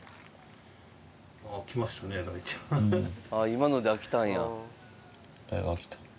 今ので飽きたんや。